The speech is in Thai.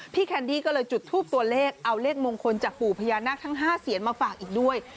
แคนดี้ก็เลยจุดทูปตัวเลขเอาเลขมงคลจากปู่พญานาคทั้ง๕เสียนมาฝากอีกด้วย